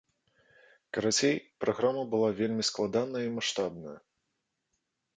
Карацей, праграма была вельмі складаная і маштабная.